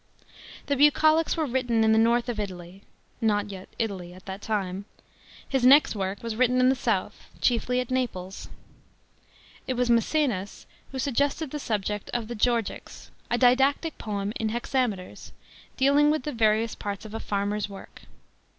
The Bucolics were written in the north of Italy (not yet " Italy " at that time); his next work was written in the south, chiefly at Naples. It was Msecenas who suggested the subject of the (leorgics, a didactic poem in hexameters, dealing with the various parts of a farmer's work.